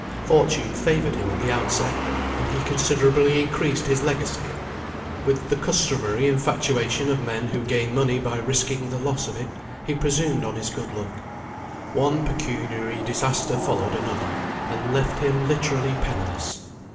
Fortune favoured him at the outset, and he considerably increased his legacy. With the customary infatuation of men who gain money by risking the loss of it, he presumed on his good luck. One pecuniary disaster followed another, and left him literally penniless.